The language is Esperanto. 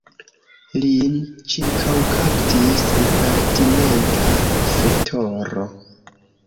Lin ĉirkaŭkaptis impertinenta fetoro.